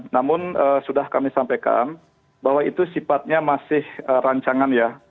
namun sudah kami sampaikan bahwa itu sifatnya masih rancangan ya